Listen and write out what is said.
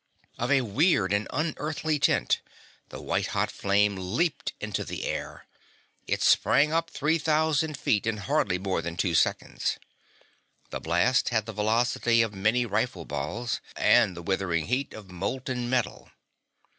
Of a weird and unearthly tint, the white hot flame leaped into the air. It sprang up three thousand feet in hardly more than two seconds. The blast had the velocity of many rifle balls, and the withering heat of molten metal.